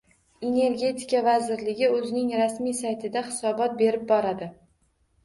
Energetika vazirligi oʻzining rasmiy saytida hisobot berib boradi.